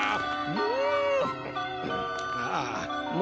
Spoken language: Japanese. うん？